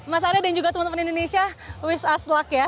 mas arya dan juga teman teman indonesia wish us luck ya